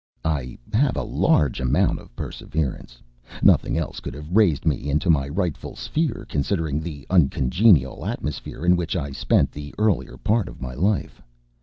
I have a large amount of perseverance. Nothing else could have raised me into my rightful sphere, considering the uncongenial atmosphere in which I spent the earlier part of my life.